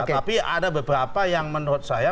tapi ada beberapa yang menurut saya